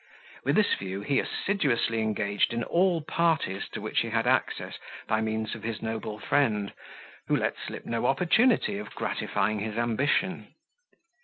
With this view he assiduously engaged in all parties to which he had access by means of his noble friend, who let slip no opportunity of gratifying his ambition.